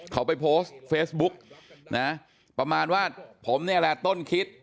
เขาไปโพสต์เฟซบุ๊กนะประมาณว่าผมเนี่ยแหละต้นคิด